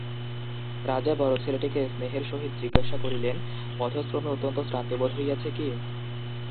রাজা বড়ো ছেলেটিকে স্নেহের সহিত জিজ্ঞাসা করিলেন, পথশ্রমে অত্যন্ত শ্রান্তিবোধ হইয়াছে কি?